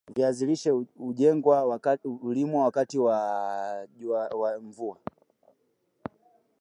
Iran imeamua kusitisha mazungumzo yake ya siri